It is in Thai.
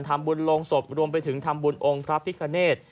ทำบุญลงศพรวมไปถึงทำบุญองค์พระพิกาเนต